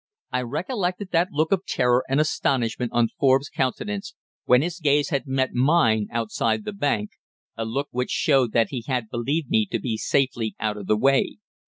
I recollected that look of terror and astonishment on Forbes's countenance when his gaze had met mine outside the bank a look which showed that he had believed me to be safely out of the way.